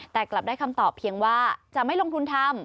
แต่กลับได้คำตอบเพียงว่าจะไม่ลงทุนทำ